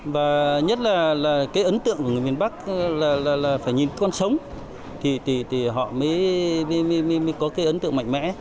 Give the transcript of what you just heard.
và nhất là cái ấn tượng của người miền bắc là phải nhìn con sống thì họ mới có cái ấn tượng mạnh mẽ